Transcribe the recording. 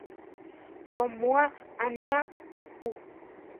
Soʼmúa aniá chukú.